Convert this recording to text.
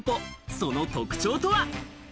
その特徴とは？